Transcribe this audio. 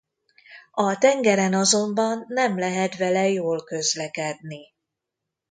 A tengeren azonban nem lehet vele jól közlekedni.